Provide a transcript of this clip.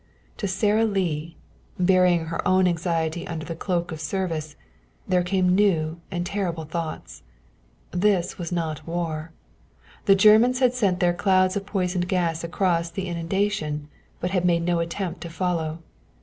To Sara Lee, burying her own anxiety under the cloak of service, there came new and terrible thoughts. This was not war. The Germans had sent their clouds of poisoned gas across the inundation, but had made no attempt to follow.